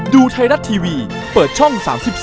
ดูไทยรัฐทีวีเปิดช่อง๓๒